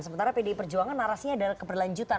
sementara pdi perjuangan narasinya adalah keberlanjutan